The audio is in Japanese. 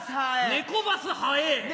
ネコバスハエ。